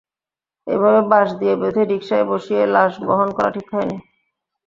এভাবে বাঁশ দিয়ে বেঁধে রিকশায় বসিয়ে লাশ বহন করা ঠিক হয়নি।